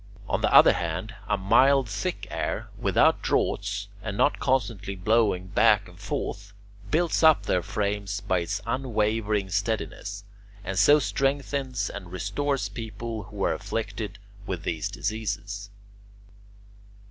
On the other hand, a mild, thick air, without draughts and not constantly blowing back and forth, builds up their frames by its unwavering steadiness, and so strengthens and restores people who are afflicted with these diseases.